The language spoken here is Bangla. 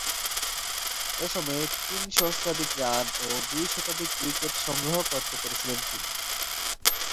এ সময়ে তিন সহস্রাধিক রান ও দুই শতাধিক উইকেট সংগ্রহ করতে পেরেছিলেন তিনি।